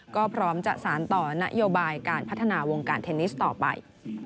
ก็พร้อมจะสารต่อนโยบายการพัฒนาวงการเทนนิสต่อไป